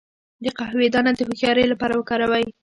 د قهوې دانه د هوښیارۍ لپاره وکاروئ